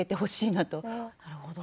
なるほど。